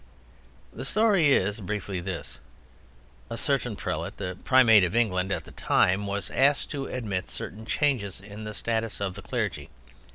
The story is briefly this: A certain prelate, the Primate of England at the time, was asked to admit certain changes in the status of the clergy.